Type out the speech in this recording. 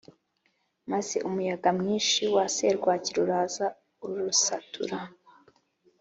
maze umuyaga mwinshi wa serwakira uraza usatura